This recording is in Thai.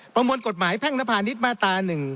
ประมวลกฎหมายแพ่งนภานิษฐ์มาตร๑๗๒๘